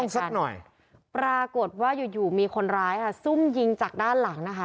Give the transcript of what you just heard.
สักหน่อยปรากฏว่าอยู่อยู่มีคนร้ายค่ะซุ่มยิงจากด้านหลังนะคะ